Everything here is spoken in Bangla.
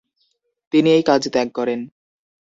তিনি এই কাজ ত্যাগ করেন।